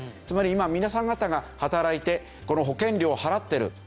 つまり今皆さんが働いてこの保険料を払ってる。